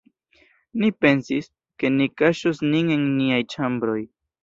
Ni pensis, ke ni kaŝos nin en niaj ĉambroj.